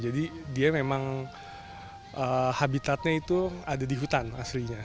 jadi dia memang habitatnya itu ada di hutan aslinya